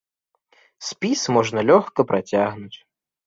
Спіс можна лёгка працягнуць.